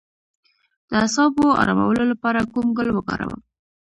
د اعصابو ارامولو لپاره کوم ګل وکاروم؟